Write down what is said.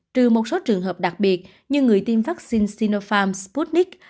trừ một số trường hợp đặc biệt như người tiêm vaccine sinopharm sputnik